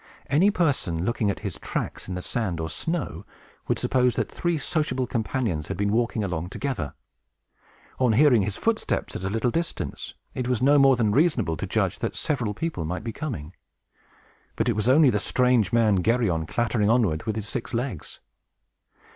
Any person, looking at his tracks in the sand or snow, would suppose that three sociable companions had been walking along together. On hearing his footsteps at a little distance, it was no more than reasonable to judge that several people must be coming. But it was only the strange man Geryon clattering onward, with his six legs!